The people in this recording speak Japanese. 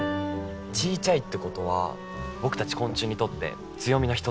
ちいちゃいってことは僕たち昆虫にとって強みの一つです。